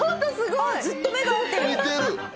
ずっと目が合ってる。